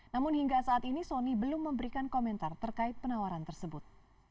namun hingga saat ini sony belum memberikan komentar terkait penawaran tersebut